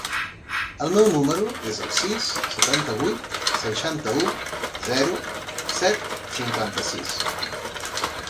El meu número es el sis, setanta-vuit, seixanta-u, zero, set, cinquanta-sis.